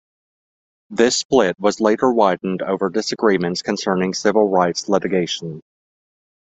This split was later widened over disagreements concerning civil rights litigation.